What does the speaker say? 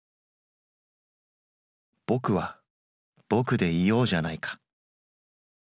「僕は僕でいようじゃないか」。